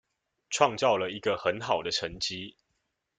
創造了一個很好的成績